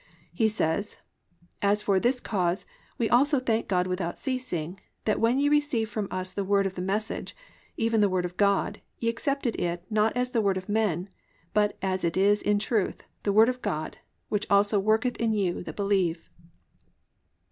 He says: +"And for this cause we also thank God without ceasing, that when ye received from us the word of the message, even the word of God, ye accepted it not as the word of men, but as it is in truth, the word of God, which also worketh in you that believe."